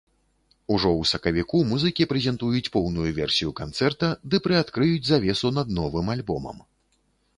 Ужо у сакавіку музыкі прэзентуюць поўную версію канцэрта ды прыадкрыюць завесу над новым альбомам.